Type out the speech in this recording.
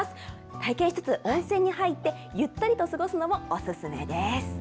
体験しつつ、温泉に入ってゆったりと過ごすのもお勧めです。